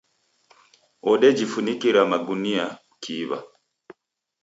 Wodejifinikira magunia ukiiw'a.